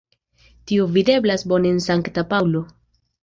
Tio videblas bone en Sankta Paŭlo.